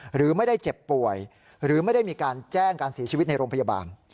หรือไม่ได้เจ็บป่วยหรือไม่ได้มีการแจ้งการเสียชีวิตในโรงพยาบาล